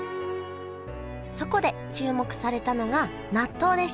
そこで注目されたのが納豆でした